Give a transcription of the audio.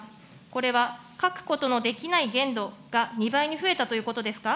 これは欠くことのできない限度が２倍に増えたということですか。